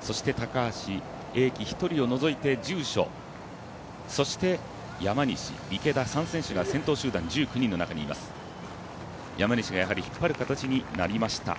そして高橋英輝１人を除いて住所、そして、山西、池田３選手が先頭集団１９人の中にいます山西がやはり、引っ張る形になりました。